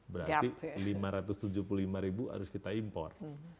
berarti lima ratus tujuh puluh lima ribu harus kita impor